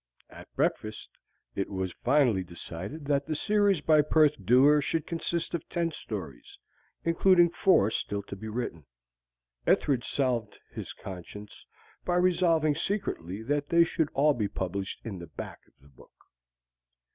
At breakfast it was finally decided that the series by Perth Dewar should consist of ten stories, including four still to be written. Ethridge salved his conscience by resolving secretly that they should all be published in the back of the book.